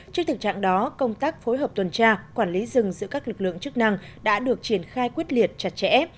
trước thực trạng đó công tác phối hợp tuần tra quản lý rừng giữa các lực lượng chức năng đã được triển khai quyết liệt chặt chẽ